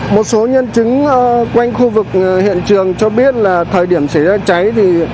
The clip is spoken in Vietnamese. một số nhân chứng quanh khu vực hiện trường cho biết là thời điểm xảy ra cháy thì